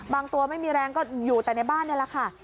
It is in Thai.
ตัวไม่มีแรงก็อยู่แต่ในบ้านนี่แหละค่ะ